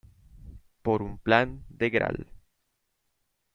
Por un plan de Gral.